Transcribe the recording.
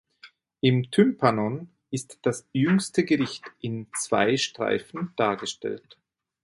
Im Tympanon ist das Jüngste Gericht in zwei Streifen dargestellt.